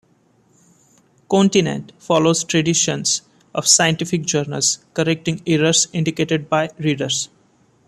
Kontinent follows traditions of scientific journals correcting errors indicated by readers.